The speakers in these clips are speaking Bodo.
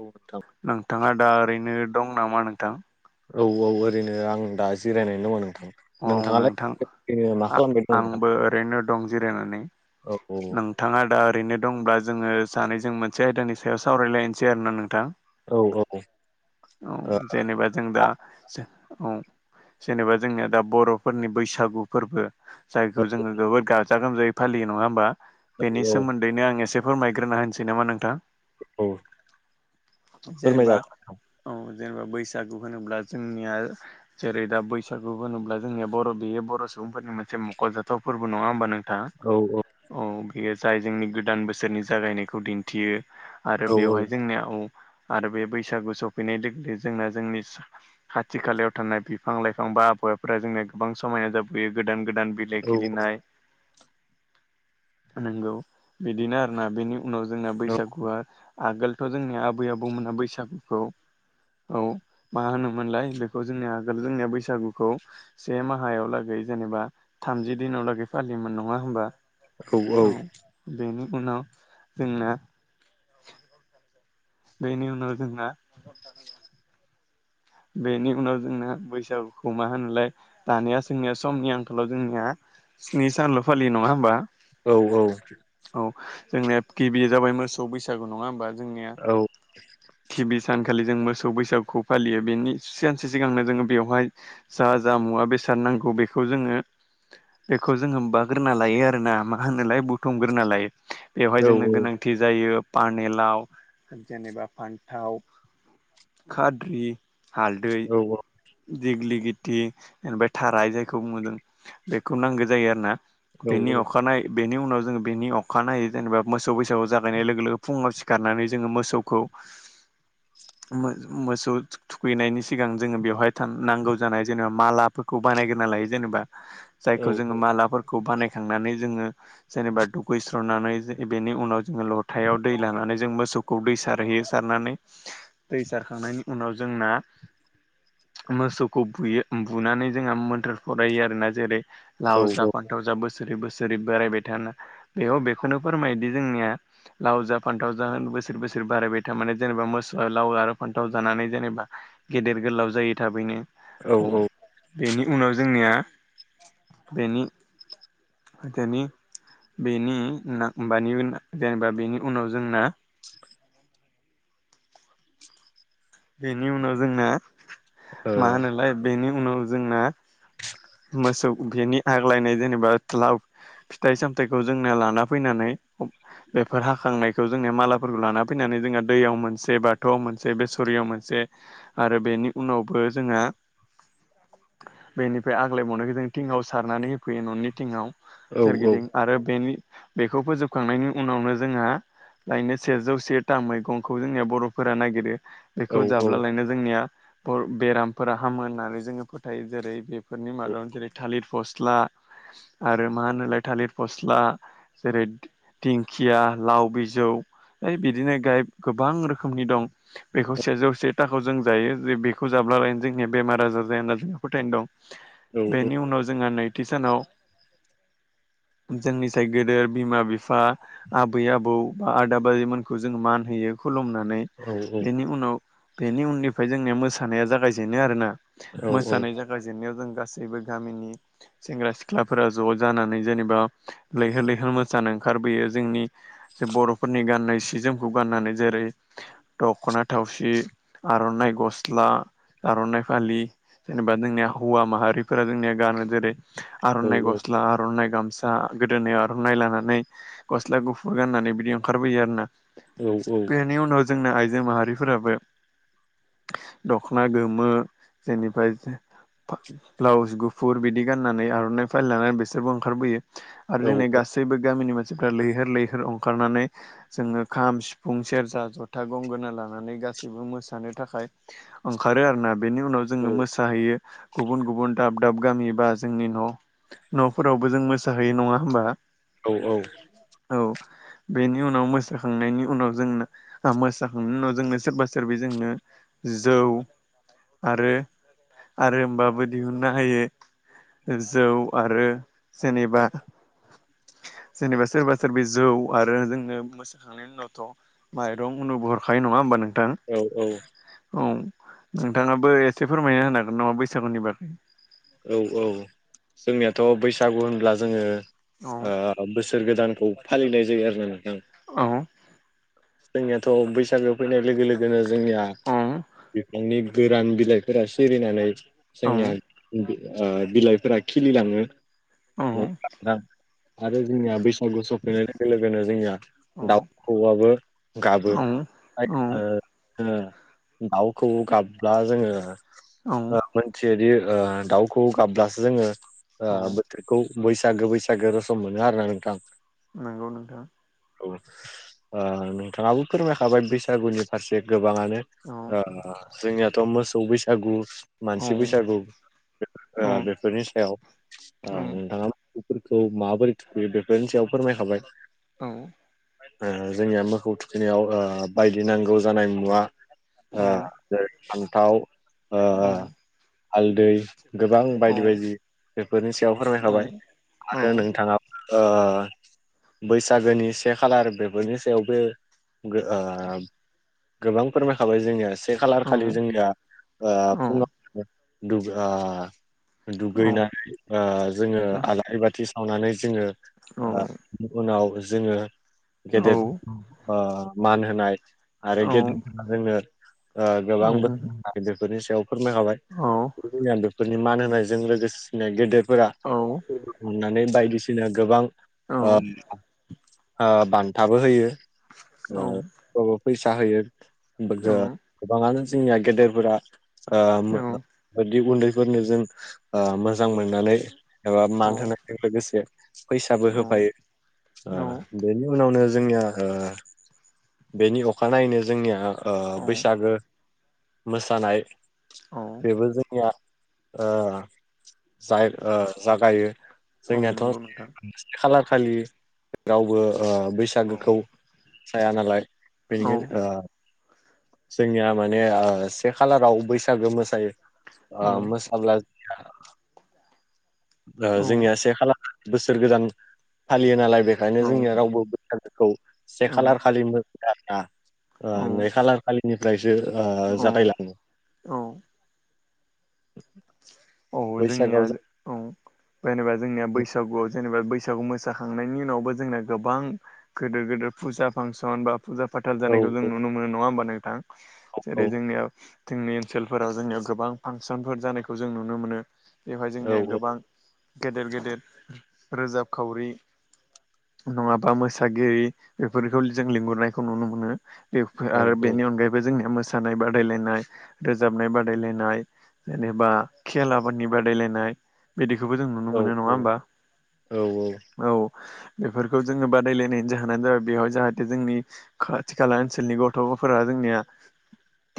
औ नोंथां। नोंथाङा दा ओरैनो दं नामा नोंथां? औ औ ओरैनो आं दा जिरायनानै दङ नोंथां। औ नोंथाङालाय नोंथां, ओरैनो मा खालामबाय दङ नोंथां आ-आंबो ओरैनो दं जिरायनानै, औ औ नों थाङा दा ओरैनो दंब्ला जोङो सानैजों मोनसे आयदानि सायाव सावरायलायनोसै आरोना नोंथां। औ औ। औ जेनेबा जों दा जो औ जेनेबा जोंनिया दा बर'फोरनि बैसागु फोरबो जायखौ जों जोबोद गाजा गोमजायै फालियो नङा होनबा? बेनि औ सोमोन्दैनो आं एसे फोरमायग्रोना होनोसै नामा नोंथां? औ जेनेबा फोरमायजागोन औ जेनेबा बैसागु होनोब्ला जोंनिया जेरै दा बैसागु होनोब्ला जोंनिया बर' बेयो बर' सुबुंफोरनि मोनसे मख'जाथाव फोरबो नङा होमबा नोंथां औ बेयो जाय जोंनि गोदान बोसोरनि जागायनायखौ दिनथियो औ आरो बेवहाय जोंनियाव आरो बे बैसागु सफैनाय लोगो जोंना जोंनि खाथि खालायाव थानाय बिफां लाइफां बा फोरा जोंना गोबां समायना जाबोयो गोदान गोदान बिलाइ औ खिलिनाय नंगौ बिदिनो आरोना बेनि उनाव जोंना औ बैसागुआ आगोलथ' जोंनि आबै आबौमोना बैसागुखौ औ मा होनोमोनलाय बेखौ जोंनिया आगोल जोंनिया बैसागु खौ से माहायाव लागै जेनेबा थामजि दिनाव लागै फालियोमोन नङा होमबा औ बेनि उनाव जोंना बेनि उनाव जोंना बेनि उनाव जोंना बैसागुखौ मा होनोमोनलाय दानिया जोंनिया समनि आंखालाव जोंनिया स्नि सानल' फालियो नङा होमबा? औ औ। औ जोंनिया गिबि जाबाय मोसौ बैसागु नङा होमबा जोंनिया? सानखालि जों मोसौ बैसागुखौ फालियो। बेनि सानसे सिगांनो जोङो बेवहाय जा जा मुवा बेसाद नांगौ बेखौ जोङो बेखौ जोङो बायग्रोना लायो आरोना मा होनोमोनलाय बुथुमग्रोना लायो बेवहाय औ जोंनो गोनां जायो पानेलाव जेनेबा फान्थाव खाद्रि हालदै औ दिग्लि गित ओनिफ्राय थाराय जायखौ मुदों बेखौ नांगौ जायो आरो ना बेनि अखानायै बेनि उनाव जोङो बेनि अखानायै जेनेबा मोसौ बैसागु जागायनाय लोगो लोगो फुङाव सिखारनानै जोङो मोसौखौ मोसौ थुखैनायनि सिगां जोङो बेवहाय नांगौ जानाय जेनेबा मालाफोरखौ बानायग्रा लायो जेनेबा जायखौ जोङो मालाफोर खौ बानायखांनानै जोङो जेनेबा दुगैस्रनानै बिनि उनाव जोङो लथायाव दै लानानै जों मोसौखौ दै सारहैयो सारनानै दै सारखांनायनि उनाव जोंना मोसौखौ बुयो बुनानै जोंहा मोन्थोर फरायो आरो ना जेरै लाव जाफान थावजाब बोसोरै बोसोरै बोरायबाय थाना बेयाव बेखौनो फोरमायोदि जोंनिया लाव जा फान्थाव जा बोसोर बोसोर बारायबाय था माने जेनेबा मोसौ लाव आरो फान्थाव जानानै जेनेबा गेदेर गोलाव जायो थाबैनो औ बेनि उनाव जोंनिया बेनि बेनि बेनि जेनेबा बेनि उनाव जोंना बेनि उनाव जोंना मा होनोलाय बेनि उनाव जोंना मोसौ बेनि आग्लायनाय जेनेबा थाव फिथाइ सामथायाइखौ जोंना लाना फैनानै बेफोर हाखांनायखौ जोंनिया मालाफोरखौ लाना फैनानै जोंहा दैयाव मोनसे बाथौआव मोनसे बे सटरियाव मोनसे आरो बेनि उनावबो जोंहा बेनिफ्राय आग्लायबावनायखौ जों थिंआव सारनानै होफैयो न'नि थिंआव सोरगिदिं आरो बेनि बेखौ फोजोबखांनायनि उनावनो जोंहा लायनो सेजौ से थाम मैगंखौ जोंनिया बर'फोरा नागिरो बेखौ जाब्ला लायनो जोंनिया बेरामफोरा हामो होननानै जोङो फोथायो जेरै बेफोरनि मादाव जेरै थालिर फस्ला आरो मा होनलाय थालिर फस्ला जेरै दिंखिया लाव बिजौ ओइ बिदिनो गाय गोबां रोखोमनि दं बेखौ सेजौ से थाखौ जों जायो जे बेखौ जाब्लाायनो जोंनिया बेमार आजार जाया होनना जोंहा फोथायनाय दं बेनि उनाव जोंहा नैथि सानाव जोंनि जाय गोदो बिमा बिफा आबै आबौ बा आदा बाजैमोनखौ जों मान होयो खुलुमनानै औ औ बेनि उनाव बेनि उननिफ्राय जोंनि मोसानाया जागायजेनो आरोोना मोानाय ज जागायजेननायाव जों गासैबो गामिनि सेंग्रा सिख्लाफोरा ज' जानानै जेनेबा लैहोर लैहोर मोसानो ओंखारबोयो जोंनि जे बर'फोरनि गाननाय सि जोम खौ गाननानै जेरै दख'ना थावसि आर'नाइ गस्ला आर'नाइ फालि। जेनेबा जोंनिया हौवा माहारिफोरा जोंनिया गानो जेरै आर'नाइ गस्ला आर'नाइ गामसा दा गोदोनायाव आर'नाइ लानानै गस्ला गुफुर गाननानै बिदि ओंखारबोयो आर ना। औ औ बेनि उनाव जोंनो आइ हिनजाव माहारिफोराबो दख'ना गोमो जनिफ्राय ब्लाउस गुफुर बिदि गाननानै आर'नाइ फाइल लानानै बिसोरबो ओंखारबोयो आरो जोंनि गासैबो गासैबो गामिनि मानसिफ्रा लैहोर लैहोर ओंखारनानै जोङो खाम सिफुं सेरजा जथा गंगोना लानानै गासैबो मोसानो थाखाय ओंखारो आरोना बेनि उनाव जोङो मोसाहैयो गुबुन गुबुन दाब दाब गामि बा जोंनि न' न'फोरावबो जों मोसाहैै नङा होमबा? औ औ औ बेनि उनाव मोसाखांनायनि उनाव जोंना आ मोस जाखांनायनि उनाव जोंनो सोरबा सोरब जोंनो जौ आरो आरो होमबाबो दिहुननो हायो। जौ आरो जेनेबा जेनेबा सोरबा सोरब जौ आरो जोंनो मोसाखांनायनि उनावथ' माइरं उनु हख नङा होनबा नोंथां? औ-औ औ नोंथाङाबो एसे फोरमायना होनो हागोन नामा बैसागुनि बागै? औ औ जोंनियाथ' बैसागु होनब्ला जोङो औ ओ बोसोर गोदानखौ फालिनाय जायो आरो ना नोंथां। औ। जोंनियाथ' बैसागोआव फैनाय लोगो लोगोनो जोंनिया औ बिफांनि गोरान बिलाइफोरा सिरिनानै औ जोंनिया आ बिलाइफोरा खिलिलाङो आरो जोंनिया बैस अखौ सफैनाय लोगो लोगोनो जोंनिया औ दाउखौआआबो गाबो। औ औ ओ ओ दाउखौ गाबब्ला जोङो औ मोनथियदि ओ दाउ खौऔ गाबब्लासो जोङो औ बोथोरखौ बैसागो बैसागो रसम मोनो आरो ना नोंथां। नंगौ नोंथां। औ ओ नोंथाङाबो फोरमायखाबाय बैसागुनि फारसे गोबाङानो। ओ औ आ जोंनियाथ' मोसौ बैसागु औ मानसि बैसागु औ ओ बेफोरनि सायाव औ आ नोंथाङा मफोरखौ माबोरै थुखैयो बेफोरनि सायाव फोरमायखाबाय। औ ओ जोंनिया मोखौ थुखैनायाव ओ बायदि नांगौ जानाय मुवा औ ओ जेरै फान्थाव ओ औ हालदै गोबां औ बायदि बायदि बेफोरनि सायाव फोरमायखाबाय औ औ आरो नोंथाङा ओ बैसागोनि से खालार बेफोरनि सायाव बे गो आ गोबां फोरमायखाबाय जोंनिया बे औ खालार खालि औ जोंनिया ओ फुङाव दुग ओ औ दुगैनानै जोङो आलारि बाथि सावनानै जोङो उनाव जोङो गेदेर मान होनाय आरो गेदेरफोरा जोंनो गोबां बोसोर गायदजोफोरनि सायाव फोरमायखाबाय जोंनिया बेफोरनि मान होनायजों लोगोसेनो गेदेरफोरा औ। हमनानै बायदिसिना गोबां ओ बान्थाबो होयो सोराबबो फैसा होयो। गोबाङानो जोंनिया गेदेरफोरा उन्दै फोरनो जों मोजां मोननानै एबा मान होनायजों लोगोसे फैसाबो होफायो। ओ बेनि उनावनो जोंनिया ओ बेनि अखानायनायैनो जोंनिया ओ बैसागो मोसानाय बेबो जोंनिया अ आ ज ओ जागायो जोंनियाथ' नंगौ नोंथां खालार खालि रावबो ओ औ औ बैसागोखौ साया नालाय औ बेनिखनो ओ जोंनिया माने ओ से खालाराव बैसागो मोसायो ओ मोसाब्ला औ ओ जोंनिया से खाला बोसोर गोदान फालियो नालाय बे ओंखायनो जोंनिया रावबो बैसागखौ से खालार खालि मोनदों आरोना। आ नै खालार खालिनिफ्रायसो आ औ जागायलाङो। औ। औ जोंनिया बैसागोआव जों औ जेनेबा जोंनिया बैसागुआव जेनेबा बैसागु मोसाखांनायनि उनावबो जोंना गोबां गोदिर गोदिर फुजा फांसन बा फुजा फाथाल औ जानायखौ जों नुनो मोनो नङा होमबा नोंथां? औ जेरै जोंनियाव जोंनि ओनसोलफोराव जोंनियाव गोबां फांसनफोर जानायखौ जों नुनो मोनो। बेवहाय औ जोंनिया गोबां गेदेर गेदेर रोजाब खावरि नङाबा मोसागिरि बेफोरखौ जों लिंहुरनायखौ नुनो मोनो। बेफोर औ आरो बेनि अनगायैबो जोंनिया मोसानाय मोसानाय बादायलायनाय रोजाबनाय बादायलायनाय जेनेबा खेल आबादनि बादायलायनाय बिदिखौबो जों नुनो औ मोनो नङा होमबा? औ औ बेफोरखौ जोङो बादायलायनायनि जाहोनानो जाबाय बेहाय जाहाथे जोंनि खाथि खाला ओनसोलनि गथ'फोरा जोंनिया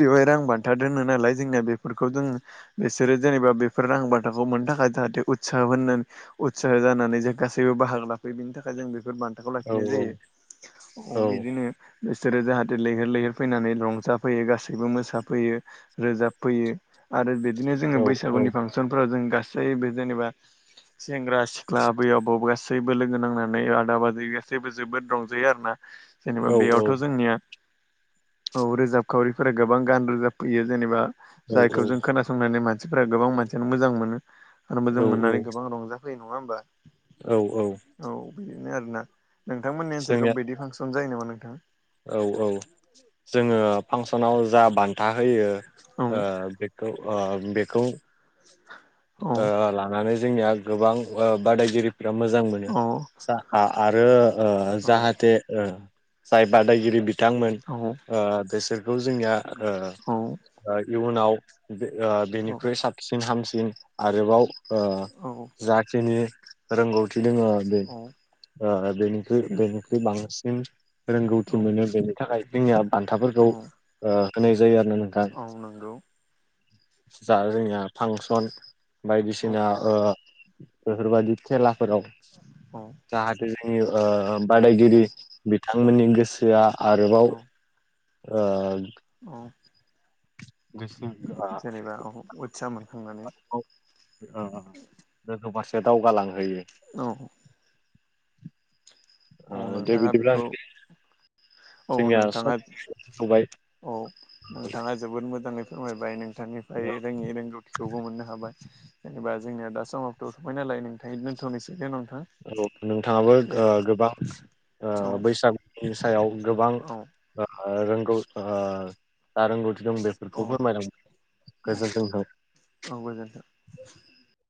बेवहाय रां बान्था दोनो नालाय जोंनाया बेफोरखौ जों बेसे बिसोरो जेनेबा बेफोर रां बाथाखौ मोननो थाखाय जाहाथे उत्सााह होननानै उत्साह जानानै जे गासैबो बाहाग लाफैयो बिनि थाखाय जों बेफोर बथ हआव औ लाखिनाय जायो बिदिनो बिसोरो जाहाथे लैहोर लैहोर फैनानै रंजाफैयो गासैबो मोसाफैयो। रोजाबफैयो आरो बिदिनो जोङो औ औ बैसागुनि फांसनफोराव जों गासैबो जेनेबा सेंग्रा सिख्ला बै आबौ गासैबो लोगो नांनानै आदाब बादै गासैबो जोबोद रंजायो आरो ना। जेनेबा औ औ औ बेयावथ' जोंनिया औ रोजाबखावरिफोरा गोबां गान रोजाबफैयो जेनेबा जायखौ जों खोनासंनानै मानसिफोरा गोबां मानसियानो मोजां मोनो आरो मोजां मोननानै गोबां रंजा फै नङा होनोमबा? औ औ। औ बेदिनो आरोोना नोंथांमोननि ओनसोलखौ जोंनिया बिदि फांसन जायो नामा नोंथां? औ औ जोङो फांसनाव जा बान्था होयो बे बेखौ ओ औ थांनानै जोंनिया गोबां बादायगिरिफोरा मोजां औ मोनो आरो जाहाथे जाय बादायगिरि बिथांमोन औ। बेसोरखौ जोंनिया औ इयुनाव बेनिख्रुइ साब सिन हामसिन आरोबाव औ जाखिनि रोंगौथि दङो बे बेनिख्रु बेनिख्रुइ बांसिन रोंगौथि मोनो औ बेनि थाखाय जोंनिया बान्थाफोरखौ ओ होनाय जायो आरोना नोंथां। औ नंगौ जा जोंनिया फांसन औ बायदिसिना ओ बेफोरबायाददि खेलाफोराव औ जाहाथे जोंनि ओ बादायगिरि औ नोंथांमोननि गोसोआ आरोबाव ओ अ [unintelligible] उतसा मोनखांनानै ओ ओ गोजौफारसे दावगालांहोयो। औ। ओ औ दे नोंथाङा बिदिब्ला बेखौ औ जोंनिया सम नोंथाङा जाबाय औ नोंथाङा जोबोद मोजाङै फोरमायबाय नोंथांनिफ्राय रोङै रोंगौथि थिखौबो मोननो हाबाय जेनेबा जोंनिया दा समावथ' थबाय नालाय नोंथां दोन्थ'नोसै दे नोंथां। औ नोंथाङाबो दे गोबां औ बैसागुनि सायाव गोबां औ रोंगौ रोंगौथि दं बे औ बेखौ फोरमायलां गोजोन जोंथों औ गोजोन्थों।